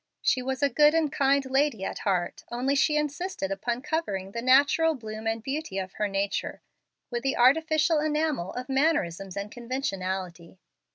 She was a good and kind lady at heart, only she insisted upon covering the natural bloom and beauty of her nature with the artificial enamel of mannerism and conventionality.